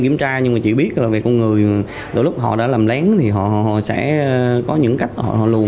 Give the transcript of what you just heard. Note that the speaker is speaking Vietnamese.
kiểm tra nhưng mà chỉ biết là về con người lúc họ đã làm lén thì họ sẽ có những cách họ luồn